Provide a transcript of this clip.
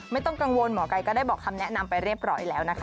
ไม่ต้องกังวลหมอไก่ก็ได้บอกคำแนะนำไปเรียบร้อยแล้วนะคะ